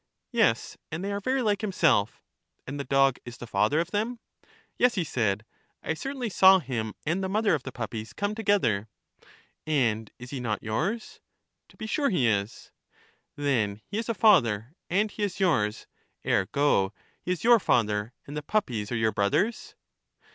Yes, and they are very like himself. And the dog is the father of them? 262 EUTHYDEMUS .;A Yes, he said, I certainly saw him and the mother of the puppies come together. And is he not yom*s? To be sure he is. Then he is a father, and he is yours; ergo, he is your father, and the puppies are your brothers.